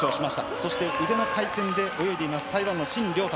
そして、腕の回転で泳いでいる陳亮達。